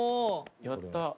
やった。